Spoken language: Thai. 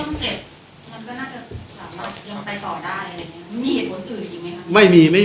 มันก็น่าจะยังไปต่อได้